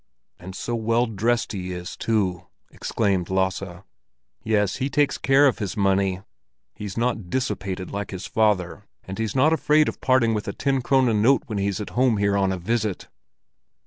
"And so well dressed he is too!" exclaimed Lasse. "Yes, he takes care of his money. He's not dissipated, like his father; and he's not afraid of parting with a ten krone note when he's at home here on a visit."